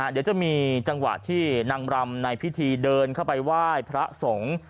เดี๋ยวจะมีจังหวะที่นางรำในพิธีเดินเข้าไปไหว้พระสงฆ์